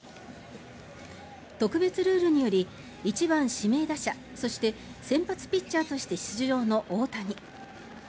特別ルールにより１番指名打者そして先発ピッチャーとして出場の大谷。